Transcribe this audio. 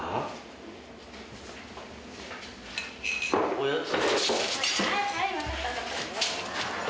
おやつ。